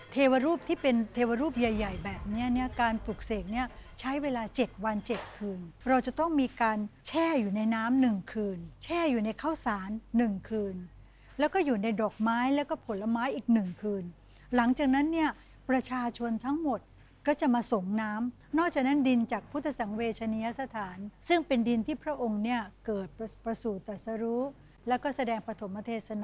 เทวรูปที่เป็นเทวรูปใหญ่ใหญ่แบบนี้เนี่ยการปลูกเสกเนี่ยใช้เวลา๗วัน๗คืนเราจะต้องมีการแช่อยู่ในน้ำหนึ่งคืนแช่อยู่ในข้าวสาร๑คืนแล้วก็อยู่ในดอกไม้แล้วก็ผลไม้อีกหนึ่งคืนหลังจากนั้นเนี่ยประชาชนทั้งหมดก็จะมาส่งน้ำนอกจากนั้นดินจากพุทธสังเวชนียสถานซึ่งเป็นดินที่พระองค์เนี่ยเกิดประสูจนตัดสรุแล้วก็แสดงปฐมเทศน